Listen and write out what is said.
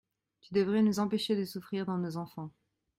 Tu devrais nous empêcher de souffrir dans nos enfants.